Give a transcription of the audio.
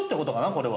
これは。